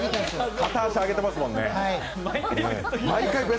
片足上げてますもんね。